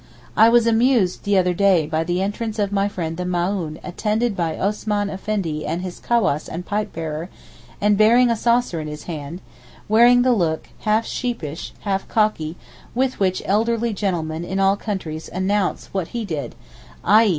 I was amused the other day by the entrance of my friend the Maōhn, attended by Osman Effendi and his cawass and pipe bearer, and bearing a saucer in his hand, wearing the look, half sheepish, half cocky, with which elderly gentlemen in all countries announce what he did, _i.